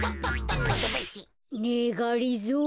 ねえがりぞー